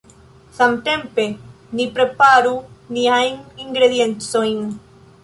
Samtempe ni preparu niajn ingrediencojn.